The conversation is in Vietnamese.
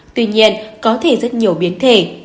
tuy nhiên có thể rất nhiều biến thể